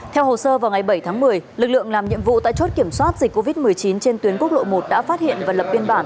theo hồ sơ vào ngày bảy tháng một mươi lực lượng làm nhiệm vụ tại chốt kiểm soát dịch covid một mươi chín trên tuyến quốc lộ một đã phát hiện và lập biên bản